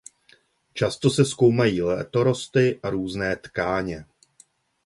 Často se zkoumají letorosty a různé tkáně.